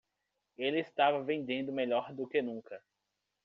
Ele estava vendendo melhor do que nunca.